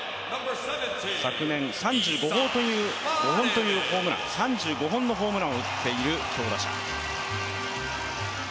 昨年、３５本のホームランを打っている強打者。